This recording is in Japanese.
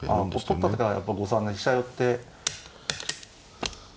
取った手がやっぱ誤算で飛車寄って。